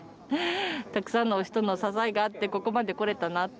たくさんの人の支えがあってここまでこられたなって。